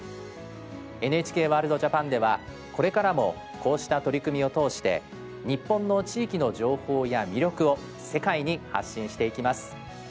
ＮＨＫワールドＪＡＰＡＮではこれからもこうした取り組みを通して日本の地域の情報や魅力を世界に発信していきます。